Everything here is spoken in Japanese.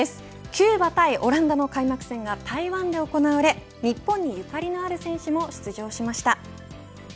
キューバ対オランダの開幕戦が台湾で行われ日本にゆかりのある選手も出場しました。